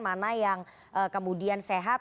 mana yang kemudian sehat